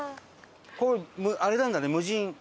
これあれなんだね無人。